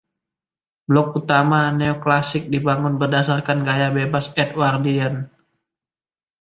Blok Utama neoklasik dibangun berdasarkan Gaya Bebas Edwardian.